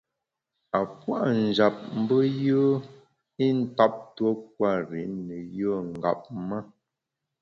A puâ’ njap mbe yùe i ntap tuo kwer i ne yùe ngap ma.